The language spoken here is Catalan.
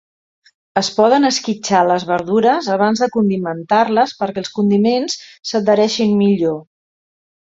Es poden esquitxar les verdures abans de condimentar-les perquè els condiments s'adhereixin millor.